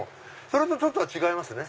それとちょっとは違いますね。